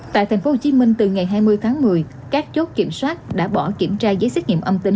tại thành phố hồ chí minh từ ngày hai mươi tháng một mươi các chốt kiểm soát đã bỏ kiểm tra giấy xét nghiệm âm tính